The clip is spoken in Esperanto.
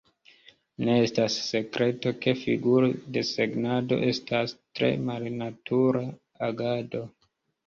Ne estas sekreto, ke figur-desegnado estas tre malnatura agado.